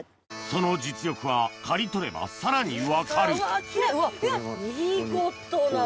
その実力は刈り取ればさらに分かる見事な。